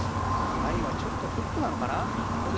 ラインはちょっとフックなのかな？